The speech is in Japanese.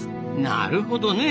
なるほどね。